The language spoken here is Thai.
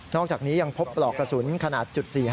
อกจากนี้ยังพบปลอกกระสุนขนาด๔๕